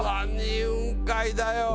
雲海だよ！